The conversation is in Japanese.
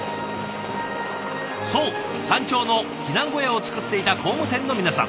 そう山頂の避難小屋をつくっていた工務店の皆さん。